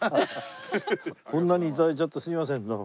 こんなに頂いちゃってすいませんどうも。